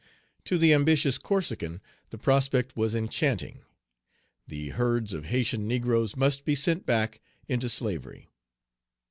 To the ambitious Corsican the prospect was enchanting. The herds of Haytian negroes must be sent back into slavery.